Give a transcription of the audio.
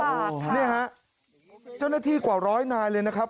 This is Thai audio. ลำบากค่ะนี่ฮะเจ้าหน้าที่กว่าร้อยนายเลยนะครับ